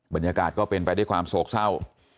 บรรยากาศก็เป็นไปด้วยความโศกเศร้า